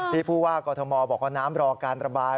ผู้ว่ากอทมบอกว่าน้ำรอการระบาย